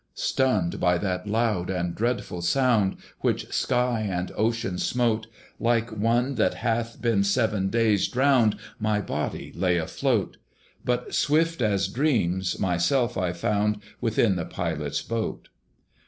Stunned by that loud and dreadful sound, Which sky and ocean smote, Like one that hath been seven days drowned My body lay afloat; But swift as dreams, myself I found Within the Pilot's boat.